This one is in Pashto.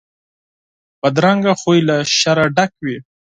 بدرنګه خوی له شره ډک وي